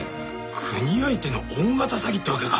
国相手の大型詐欺ってわけか。